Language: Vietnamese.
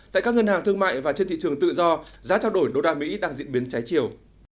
tại các ngân hàng thương mại và trên thị trường tự do giá trao đổi đô la mỹ đang diễn biến trái chiều